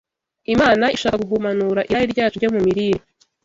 Imana ishaka guhumanura irari ryacu ryo mu mirire,